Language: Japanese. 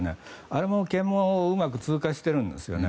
あれも検問をうまく通過しているんです。